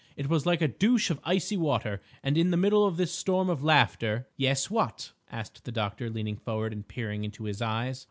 It was like a douche of icy water, and in the middle of this storm of laughter—" "Yes; what?" asked the doctor, leaning forward and peering into his eyes.